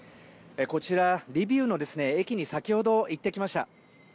こちら、リビウの駅に先ほど行ってきました。